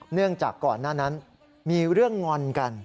เนื่องจากก่อนหน้านั้นมีเรื่องงอนกัน